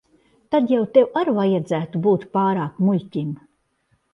Tad jau tev ar vajadzētu būt pārāk muļķim.